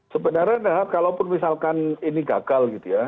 sebenarnya kalaupun misalkan ini gagal gitu ya